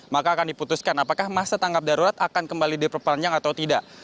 maka akan diputuskan apakah masa tanggap darurat akan kembali diperpanjang atau tidak